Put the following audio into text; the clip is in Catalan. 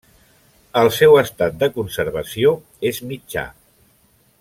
El seu estat de conservació és mitjà.